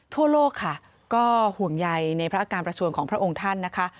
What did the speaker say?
ทั่วโลกค่ะก็ห่วงใยในพระอาการประชวนของพระองค์ท่านนะคะ